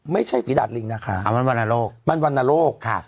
ไม่ใช่ฝีดาตริงนะคะอ่ะมันวรรณโรคมันวรรณโรคครับ